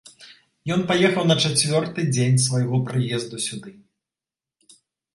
Ён паехаў на чацвёрты дзень свайго прыезду сюды.